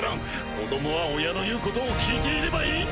子どもは親の言うことを聞いていればいいんだ！